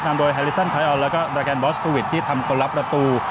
นำโดยฮาลิซันไทยออนและก็ราแกนบอสโทวิทที่ทำต้นรับประตู